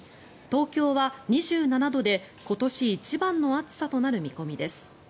東京は２７度で今年一番の暑さとなる見込みです。